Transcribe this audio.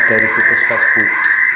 dari situs facebook